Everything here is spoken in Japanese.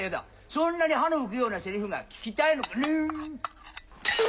そんなに歯の浮くようなセリフが聞きたいのかね！